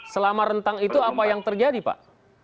selama rentang itu apa yang terjadi pak